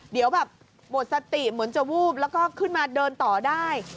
เดี๋ยวแบบหมดสติเหมือนจะวูบแล้วก็ขึ้นมาเดินต่อได้